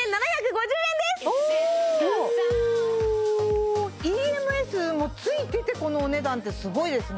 おおＥＭＳもついててこのお値段ってすごいですね